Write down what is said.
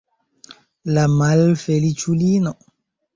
La malfeliĉulino!